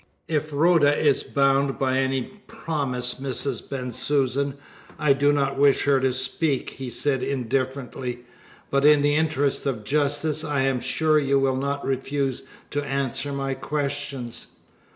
"If Rhoda is bound by any promise, Mrs. Bensusan, I do not wish her to speak," he said indifferently, "but in the interests of justice I am sure you will not refuse to answer my questions."